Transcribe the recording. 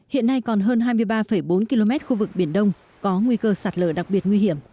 hiện nay còn hơn hai mươi ba bốn km khu vực biển đông có nguy cơ sạt lở đặc biệt nguy hiểm